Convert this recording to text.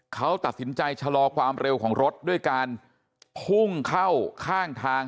เขาตัดสินใจชะลอความเร็วของรถด้วยการพุ่งเข้าข้างทาง